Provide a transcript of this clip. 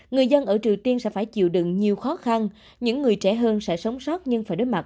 người dân ở triều tiên sẽ phải chịu đựng nhiều khó khăn những người trẻ hơn sẽ sống sót nhưng phải đối mặt